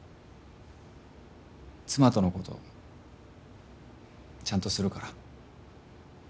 妻とのことちゃんとするから。